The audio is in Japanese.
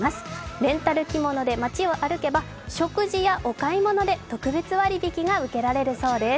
レンタル着物で街を歩けば、食事やお買い物で特別割引が受けられるそうです。